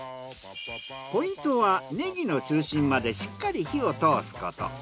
ポイントはねぎの中心までしっかり火を通すこと。